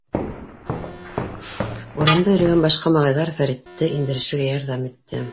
Урамда йөрөгән башҡа малайҙар Фәритте индерешергә ярҙам итте.